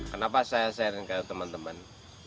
kenapa saya sharing ke teman teman